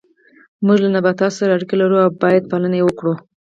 موږ له نباتاتو سره اړیکه لرو او باید پالنه یې وکړو